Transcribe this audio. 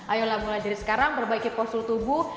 ayolah mulai dari sekarang perbaiki postur tubuh